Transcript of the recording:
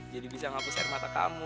jadi bisa ngapus air mata kamu